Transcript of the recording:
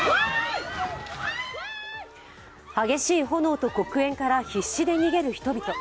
激しい炎と黒煙から必死で逃げる人々。